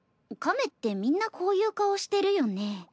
亀ってみんなこういう顔してるよね。